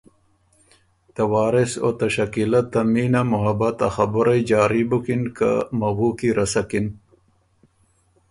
ته وارث او ته شکیله ته مینه محبت ا خبُرئ جاري بُکِن که مَوُو کی رسکِن۔